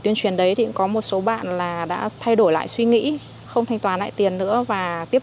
tuyên truyền đấy thì có một số bạn là đã thay đổi lại suy nghĩ không thành toàn lại tiền nữa và tiếp